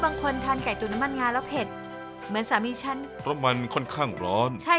ผมคิดว่ารสชาติเข้มข้นกว่านี้ได้